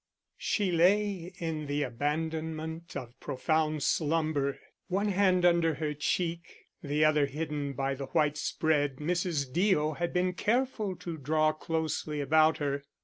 She lay in the abandonment of profound slumber, one hand under her cheek, the other hidden by the white spread Mrs. Deo had been careful to draw closely about her.